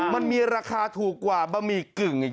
มันมีราคาถูกกว่าบะหมี่กึ่งอีก